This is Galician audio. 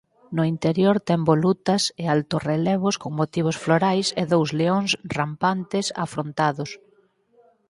No interior ten volutas e altorrelevos con motivos florais e dous leóns rampantes afrontados.